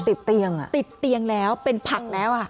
ติดเตียงติดเตียงแล้วเป็นผักแล้ว